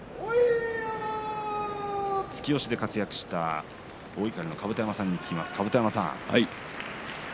突き押しで活躍した大碇の甲山さんに伺います。